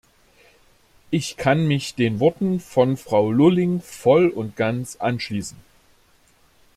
Ich kann mich den Worten von Frau Lulling voll und ganz anschließen.